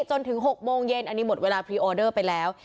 จนถึง๖โมงเย็นอันนี้หมดเวลาพรีออเดอร์ไปแล้ว